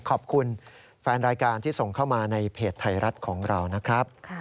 ขอบคุณแฟนรายการที่ส่งเข้ามาในเพจไทยรัฐของเรานะครับ